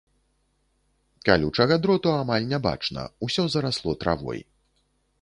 Калючага дроту амаль не бачна, усё зарасло травой.